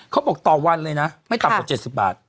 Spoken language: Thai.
ต่อวันเลยนะไม่ต่ำกว่า๗๐บาท